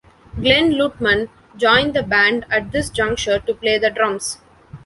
Glen Luttman joined the band at this juncture to play the drums.